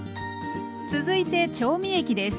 続いて調味液です。